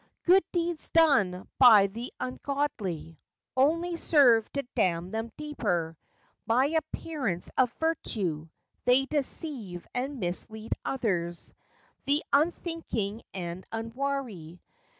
"Good deeds done by the ungodly Only serve to damn them deeper. By appearances of virtue They deceive and mislead others— The unthinking and unwary.